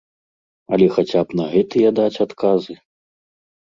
Але хаця б на гэтыя даць адказы.